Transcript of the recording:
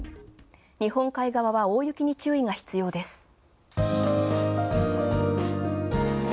日本海側は大雪に注意が必要です。